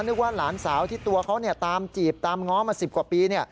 ว่าหลานสาวที่ตัวเขาตามจีบตามง้อมา๑๐กว่าปี